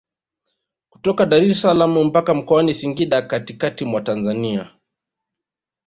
Kutoka Daressalaam mpaka Mkoani Singida katikati mwa Tanzania